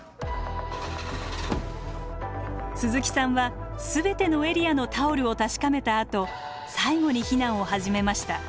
鈴木さんは全てのエリアのタオルを確かめたあと最後に避難を始めました。